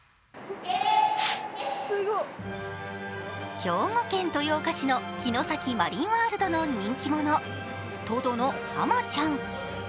兵庫県豊岡市の城崎マリンワールドの人気者・トドのハマちゃん。